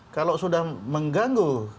kalau sudah mengganggu